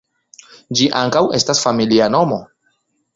Ĝi ankaŭ estas familia nomo.